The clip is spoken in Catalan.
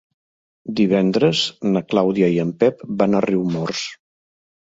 Divendres na Clàudia i en Pep van a Riumors.